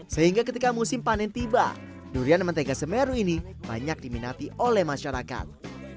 sehingga ketika musim panen tiba durian mentega semeru ini banyak diminati oleh masyarakat